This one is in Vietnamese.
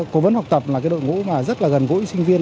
là cái đội ngũ mà rất là gần gũi sinh viên